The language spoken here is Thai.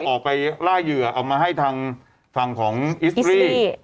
ออกล่าเหยื่อเอามาให้ทางศิริ